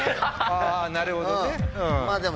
あなるほどね。